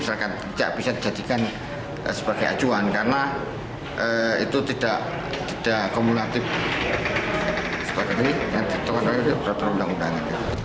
misalkan tidak bisa dijadikan sebagai acuan karena itu tidak kumulatif seperti ini dengan ketentuan rakyat terhadap undang undang